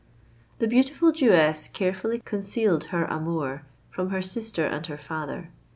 The beautiful Jewess carefully concealed her amour from her sister and her father.